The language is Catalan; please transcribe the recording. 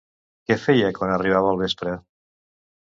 Què feia quan arribava el vespre?